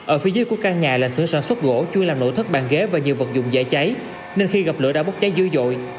ở phía dưới của căn nhà là xưởng sản xuất gỗ chui làm nổ thất bàn ghế và nhiều vật dùng dễ cháy nên khi gặp lửa đã bốc cháy dư dội